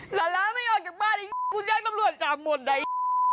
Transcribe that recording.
หลาร้าไม่ออกจากบ้านอี๋คุณชายกำรวจจากหมดนะอี๋